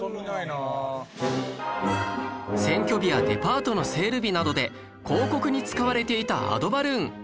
選挙日やデパートのセール日などで広告に使われていたアドバルーン